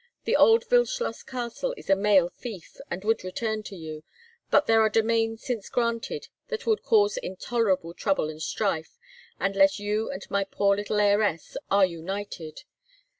The old Wildschloss castle is a male fief, and would return to you, but there are domains since granted that will cause intolerable trouble and strife, unless you and my poor little heiress are united.